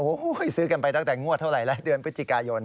โอ้โหซื้อกันไปตั้งแต่งวดเท่าไหร่แล้วเดือนพฤศจิกายน